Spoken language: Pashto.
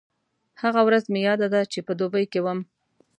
هغه ورځ مې یاده ده چې په دوبۍ کې وم.